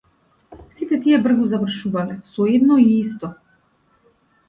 Сите тие бргу завршувале, со едно и исто.